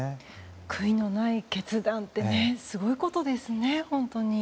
悔いのない決断ってすごいことですね、本当に。